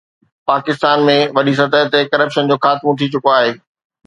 پاڪستان ۾ وڏي سطح تي ڪرپشن جو خاتمو ٿي چڪو آهي.